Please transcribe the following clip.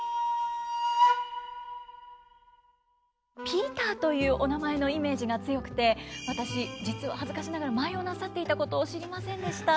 ピーターというお名前のイメージが強くて私実は恥ずかしながら舞をなさっていたことを知りませんでした。